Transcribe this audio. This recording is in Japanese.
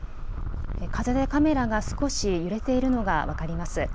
風でカメラが少し揺れているのが分かります。